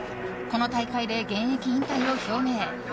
この大会で現役引退を表明。